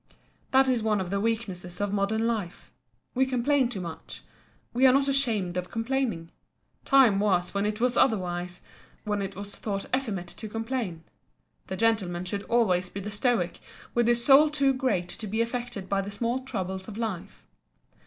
That is one of the weaknesses of modern life. We complain too much. We are not ashamed of complaining. Time was when it was otherwise—when it was thought effeminate to complain. The Gentleman should always be the Stoic, with his soul too great to be affected by the small troubles of life.